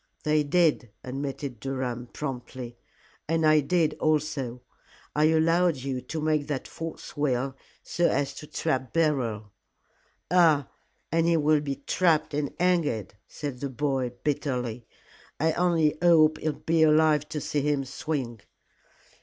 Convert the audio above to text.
"They did," admitted Durham, promptly, "and I did also. I allowed you to make that false will, so as to trap Beryl." "Ah! and he will be trapped and hanged," said the boy, bitterly. "I only hope I'll be alive to see him swing."